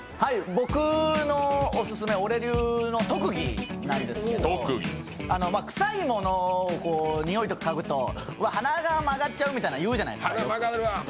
僕のおすすめオレ流の特技なんですけどくさいものをにおいとかかぐと鼻が曲がっちゃうとか言うじゃないですか。